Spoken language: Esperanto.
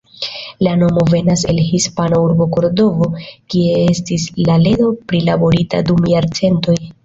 La nomo venas el hispana urbo Kordovo, kie estis la ledo prilaborita dum jarcentoj.